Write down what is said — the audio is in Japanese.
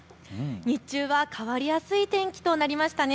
日中は変わりやすい天気となりましたね。